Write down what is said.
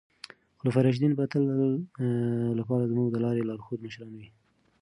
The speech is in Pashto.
خلفای راشدین به د تل لپاره زموږ د لارې لارښود مشران وي.